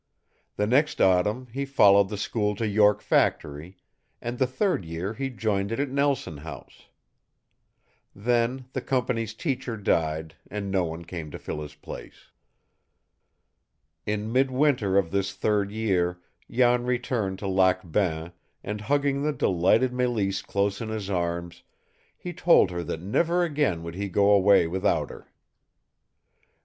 The next autumn he followed the school to York Factory, and the third year he joined it at Nelson House. Then the company's teacher died, and no one came to fill his place. In midwinter of this third year, Jan returned to Lac Bain, and, hugging the delighted Mélisse close in his arms, he told her that never again would he go away without her.